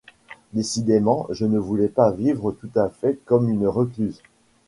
Décidément, je ne voulais pas vivre tout à fait comme une recluse.